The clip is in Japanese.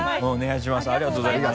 ありがとうございます